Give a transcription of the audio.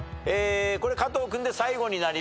加藤君で最後になります。